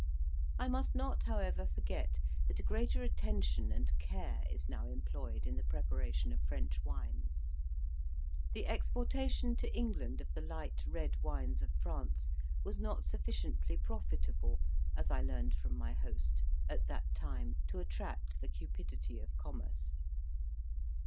I must not, however, forget that greater attention and care is now employed in the preparation of French wines. The exportation to England of the light red wines of France was not sufficiently profitable, as I learnt from my host, at that time to attract the cupidity of commerce.